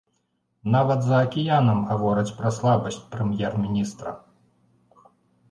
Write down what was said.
Нават за акіянам гавораць пра слабасць прэм'ер-міністра.